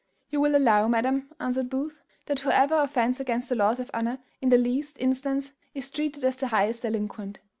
"You will allow, madam," answered Booth, "that whoever offends against the laws of honour in the least instance is treated as the highest delinquent.